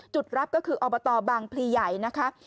รับก็คืออบตบางพลีใหญ่นะคะ